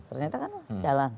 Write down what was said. ternyata kan jalan